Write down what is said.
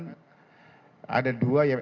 ya empat tusukan